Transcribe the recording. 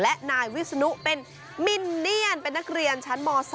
และนายวิศนุเป็นมินเนียนเป็นนักเรียนชั้นม๓